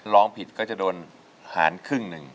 ร้องผิดก็จะโดนหารครึ่งหนึ่ง